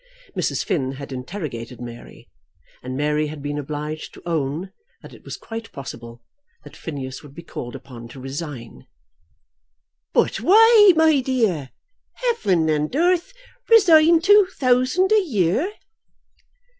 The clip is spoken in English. Mrs. Finn had interrogated Mary, and Mary had been obliged to own that it was quite possible that Phineas would be called upon to resign. "But why, my dear? Heaven and earth! Resign two thousand a year!"